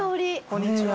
こんにちは。